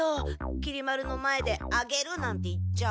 きり丸の前で「あげる」なんて言っちゃ。